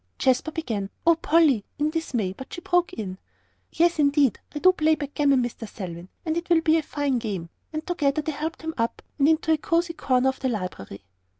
Jasper began, "Oh, Polly!" in dismay, but she broke in, "Yes, indeed, I do play backgammon, Mr. Selwyn, and it will be fine to have a game." And together they helped him up and into a cosey corner of the library.